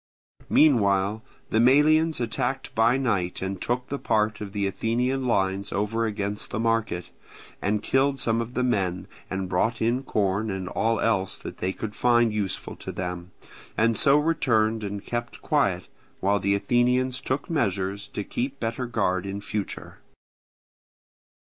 Meanwhile the Melians attacked by night and took the part of the Athenian lines over against the market, and killed some of the men, and brought in corn and all else that they could find useful to them, and so returned and kept quiet, while the Athenians took measures to keep better guard in future.